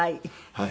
はい。